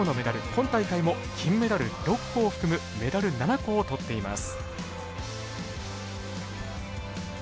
今大会も金メダル６個を含むメダル７個をとっています。